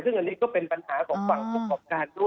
ซึ่งอันนี้ก็เป็นปัญหาของภังตอบการณ์